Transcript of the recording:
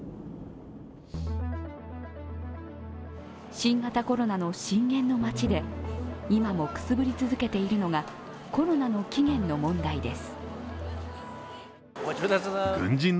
新型コロナの震源の街で今もくすぶり続けているのがコロナの起源の問題です。